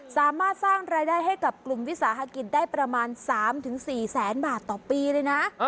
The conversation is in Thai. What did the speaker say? สามารถสร้างรายได้ให้กับกลุ่มวิสาหกิจได้ประมาณ๓๔แสนบาทต่อปีเลยนะ